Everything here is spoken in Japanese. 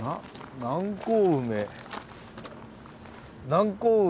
南高梅。